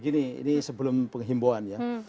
gini ini sebelum penghimbauan ya